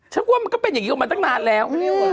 ว่ามันก็เป็นอย่างนี้ออกมาตั้งนานแล้ว